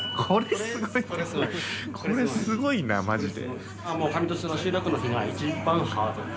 これすごいなマジで。